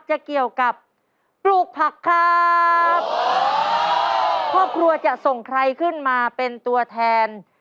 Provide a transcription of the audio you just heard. จะเกี่ยวกับปลูกผักครับครอบครัวจะส่งใครขึ้นมาเป็นตัวแทน